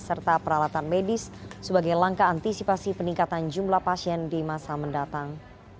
serta peralatan medis sebagai langkah antisipasi peningkatan jumlah pasien di masa mendatang